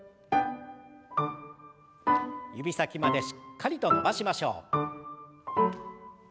指先までしっかりと伸ばしましょう。